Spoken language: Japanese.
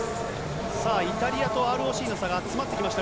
さあ、イタリアとＲＯＣの差が詰まってきました。